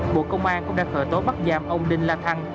bộ công an cũng đã khởi tố bắt giam ông đinh la thăng